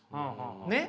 ねっ？